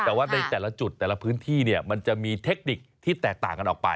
แต่ว่าในแต่ละจุดแต่ละพื้นที่เนี่ยมันจะมีเทคนิคที่แตกต่างกันออกไป